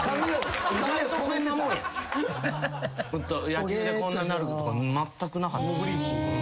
野球でこんなんなるとかまったくなかった。